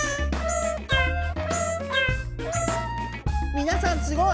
みなさんすごい！